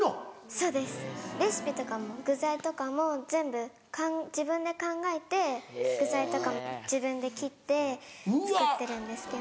そうですレシピとかも具材とかも全部自分で考えて具材とかも自分で切って作ってるんですけど。